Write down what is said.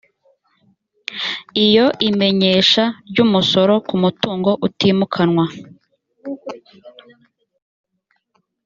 iyo imenyesha ry umusoro ku mutungo utimukanwa